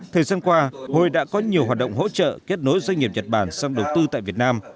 thời gian qua hội đã có nhiều hoạt động hỗ trợ kết nối doanh nghiệp nhật bản sang đầu tư tại việt nam